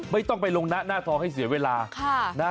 ไม่ต้องไปลงหน้าหน้าทองให้เสียเวลานะ